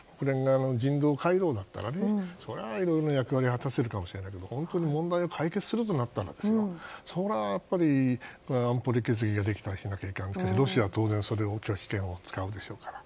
人道回廊ならそれはいろいろな役割を果たせるかもしれないけど本当に問題を解決するとなったらそれはやっぱり安保理決議ができたりしないといけないけどロシアは当然、それは拒否権を使うでしょうから。